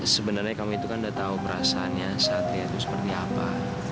sebenarnya kamu itu kan udah tau perasaannya saat lihatnya seperti apa